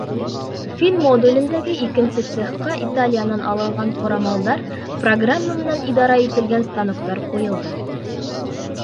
Фин модулендәге икенсе цехҡа Италиянан алынған ҡорамалдар, программа менән идара ителгән станоктар ҡуйылды.